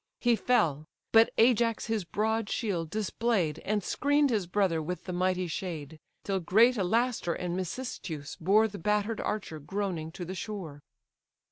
He fell: but Ajax his broad shield display'd, And screen'd his brother with the mighty shade; Till great Alaster, and Mecistheus, bore The batter'd archer groaning to the shore.